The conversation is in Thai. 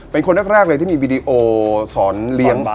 เป็นคนแรกเลยที่มีวีดีโอสอนเลี้ยง